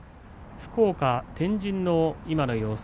福岡・天神の今の様子。